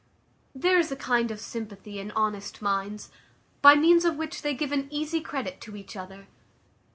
There is a kind of sympathy in honest minds, by means of which they give an easy credit to each other.